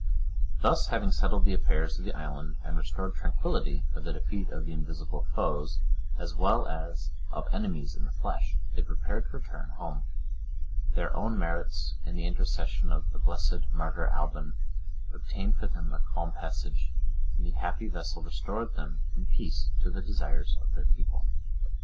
Thus, having settled the affairs of the island, and restored tranquillity by the defeat of the invisible foes, as well as of enemies in the flesh, they prepared to return home. Their own merits, and the intercession of the blessed martyr Alban, obtained for them a calm passage, and the happy vessel restored them in peace to the desires of their people.